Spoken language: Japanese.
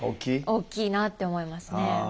大きいなって思いますね。